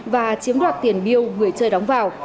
và chiếm đoạt tiền biêu người chơi đóng vào